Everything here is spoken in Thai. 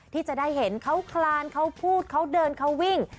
ที่จะได้เห็นเขาคลานเขาพูดเขาเดินเขาวิ่ง